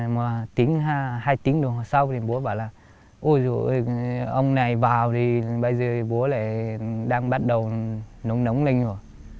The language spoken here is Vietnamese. một tiếng hai tiếng nữa sau thì bố bảo là ôi dồi ôi ông này vào thì bây giờ bố lại đang bắt đầu nóng nóng lên rồi